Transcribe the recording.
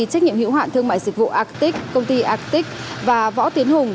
trách nhiệm hữu hạn thương mại dịch vụ arctic công ty arctic và võ tiến hùng